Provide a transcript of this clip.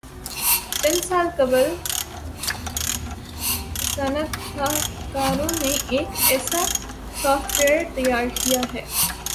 چند سال قبل صنعتکاروں نے ایک ایسا سافٹ ویئر تیار کیا ہے